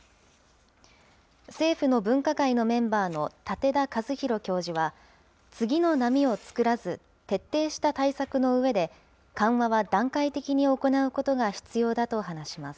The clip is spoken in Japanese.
政府の分科会のメンバーの舘田一博教授は、次の波をつくらず、徹底した対策の上で、緩和は段階的に行うことが必要だと話します。